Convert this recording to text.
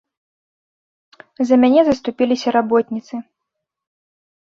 За мяне заступіліся работніцы.